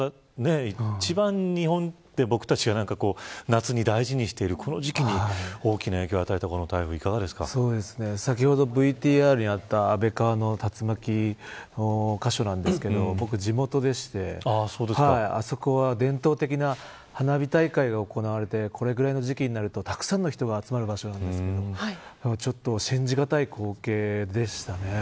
日本で一番、僕たちが夏に大事にしているこの時期に大きな影響を与えた先ほどＶＴＲにあった安倍川の竜巻の箇所ですが僕、地元でしてあそこは、伝統的な花火大会が行われていてこのぐらいの時期になるとたくさんの人もたくさんの人が集まる場所で信じがたい光景でした。